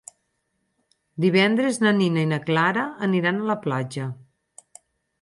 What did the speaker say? Divendres na Nina i na Clara aniran a la platja.